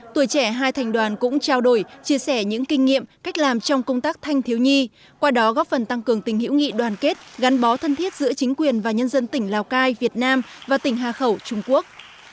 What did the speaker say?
tuổi trẻ hai thành đoàn cũng trao đổi chia sẻ những kinh nghiệm cách làm trong công tác thanh thiếu nhi qua đó góp phần tăng cường tình hữu nghị đoàn kết gắn bó thân thiết giữa chính quyền và nhân dân tỉnh lào cai việt nam và tỉnh hà khẩu trung quốc